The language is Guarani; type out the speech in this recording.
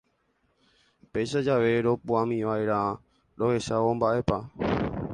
Péicha jave ropu'ãmiva'erã rohechávo mba'épa.